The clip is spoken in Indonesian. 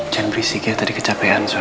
jangan berisik ya tadi kecapean